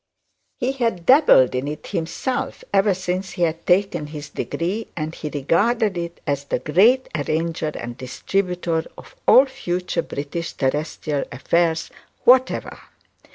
He had dabbled in it himself ever since he had taken his degree, and regarded it as the great arranger and distributor of all future British terrestrial affairs whatever.